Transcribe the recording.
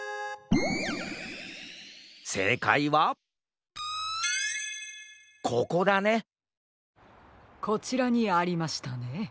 せいかいはここだねこちらにありましたね。